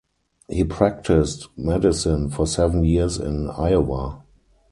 He practiced medicine for seven years in Iowa.